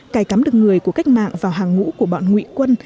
cài cắm được người của cách mạng vào hàng ngũ của bọn ngụy quân